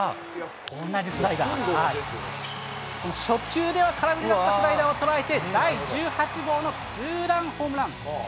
初球では空振りになったボールを捉えて第１８号のツーランホームラン。